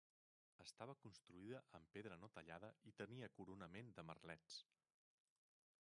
Estava construïda amb pedra no tallada i tenia coronament de merlets.